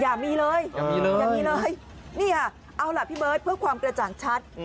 อย่ามีเลยอย่ามีเลยนี่อ่ะเอาล่ะพี่เบิ้ดเพื่อความกระจ่างชัด